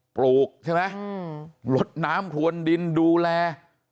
ปลูกใช่ไหมลดน้ำพรวนดินดูแล